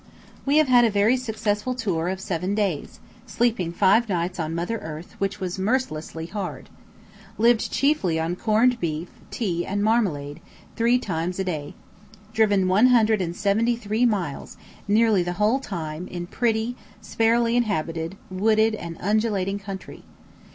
We have had a very successful tour of seven days, sleeping five nights on Mother Earth, which was mercilessly hard. Lived chiefly on corned beef, tea, and marmalade, three times a day. Driven 173 miles, nearly the whole time in pretty, sparely inhabited, wooded, and undulating country.